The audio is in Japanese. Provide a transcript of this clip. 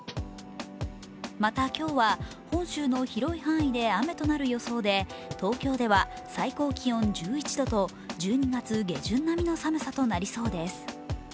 また、今日は本州の広い範囲で雨となる予想で東京では最高気温１１度と１２月下旬並みの寒さとなりそうです。